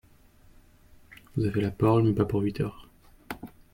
Vous avez la parole, mais pas pour huit heures